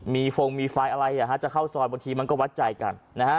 มีฟงมีไฟอะไรจะเข้าซอยบางทีมันก็วัดใจกันนะฮะ